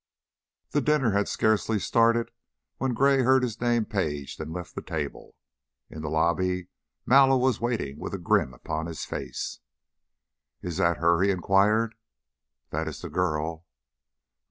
The dinner had scarcely started when Gray heard his name paged and left the table. In the lobby Mallow was waiting with a grin upon his face. "Is that her?" he inquired. "That is the girl."